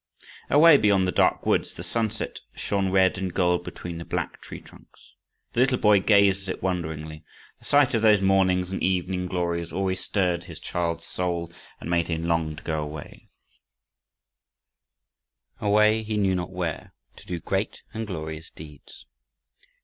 Away beyond the dark woods, the sunset shone red and gold between the black tree trunks. The little boy gazed at it wonderingly. The sight of those morning and evening glories always stirred his child's soul, and made him long to go away away, he knew not where to do great and glorious deeds.